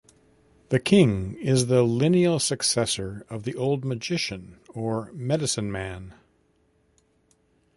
The king is the lineal successor of the old magician or medicine-man.